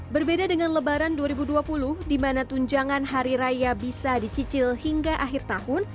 berbeda dengan lebaran dua ribu dua puluh di mana tunjangan hari raya bisa dicicil hingga akhir tahun